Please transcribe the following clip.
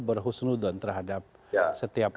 berhusnudon terhadap setiap